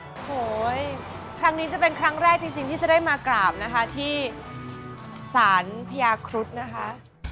โอ้โหครั้งนี้จะเป็นครั้งแรกจริงที่จะได้มากราบนะคะที่สารพญาครุฑนะคะ